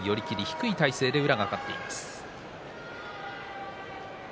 低い体勢で宇良が勝っています。